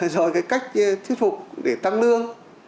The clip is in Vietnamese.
rồi cái cách thuyết phục để tăng lương